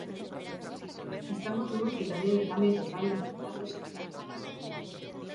Estamos nun escenario de cambio total do contrato social.